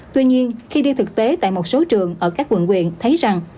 tuy nhiên khi đi thực tế tại một số trường ở các quận quyện thấy rằng